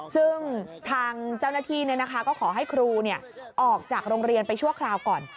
ซึ่งทางเจ้าหน้าที่ก็ขอให้ครูออกจากโรงเรียนไปชั่วคราวก่อน